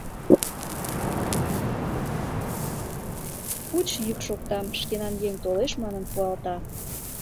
Пуч йӱк шокта: шкенан еҥ толеш манын пуалта.